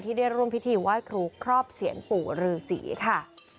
ที่ได้ร่วมพิธีไหว้ครูครอบเสียงปู่รือศรีค่ะ